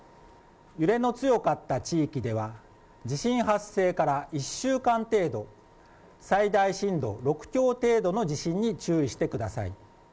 揺れの強かった地域では、地震発生から１週間程度、最大震度６強程度の地震に注意してください。